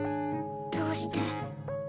どうして？